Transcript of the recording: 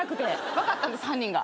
分かったんです犯人が。